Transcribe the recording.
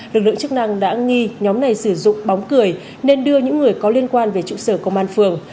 lực lượng chức năng đã nghi nhóm này sử dụng bóng cười nên đưa những người có liên quan về trụ sở công an phường